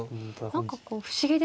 何かこう不思議ですよね。